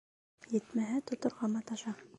Етмәһә, тоторға маташа.